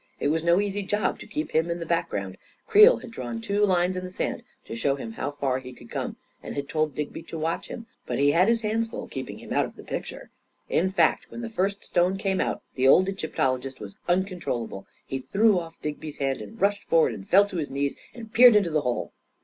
It was no easy job to keep him in the background! Creel had drawn two lines in the sand to show him how far he could come, and had told Digby to watch him ; but he had his hands full keeping him out of the picture* In fact, when the first stone came out, the old Egyp tologist was uncontrollable. He threw off Digby's hand and rushed forward and fell to his knees and peered into the hole.